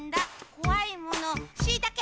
こわいものしいたけ！